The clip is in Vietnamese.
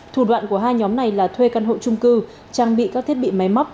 thủ đoạn của hai nhóm này là thuê căn hộ trung cư trang bị các thiết bị máy móc